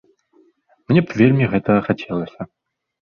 Мне б вельмі гэтага хацелася.